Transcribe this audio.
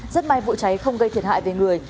rất may vụ cháy không gây thiệt hại về người